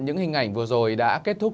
những hình ảnh vừa rồi đã kết thúc